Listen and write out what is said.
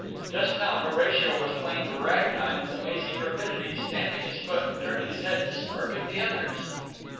Just now Horatio was playing ragtime with amazing rapidity, stamping his foot and turning his head to smirk at the others.